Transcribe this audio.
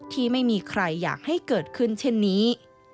ที่ไม่มีใครอยากให้เกิดขึ้นเช่นนี้